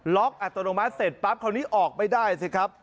อัตโนมัติเสร็จปั๊บคราวนี้ออกไม่ได้สิครับ